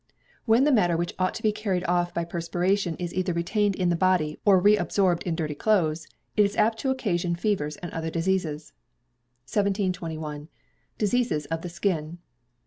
When that matter which ought to be carried off by perspiration is either retained in the body, or reabsorbed in dirty clothes, it is apt to occasion fevers and other diseases. 1721. Diseases of the Skin.